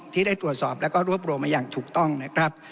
ที่ได้ตรวจสอบแล้วก็รวบรวมมาอย่างถูกต้องนะครับ